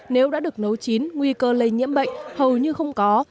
nếu đã được nấu chín nguy cơ lây nhiễm bệnh hầu như không có